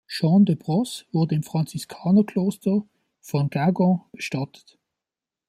Jean de Brosse wurde im Franziskanerkloster von Guingamp bestattet.